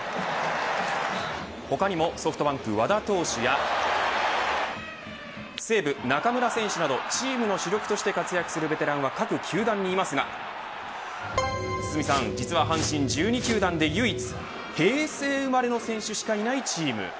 他にもソフトバンク和田投手や西武中村選手などチームの主力として活躍するベテランは各球団にいますが堤さん、実は阪神１２球団で唯一平成生まれの選手しかいないチーム。